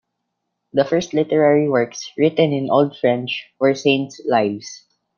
The first literary works written in Old French were saints' lives.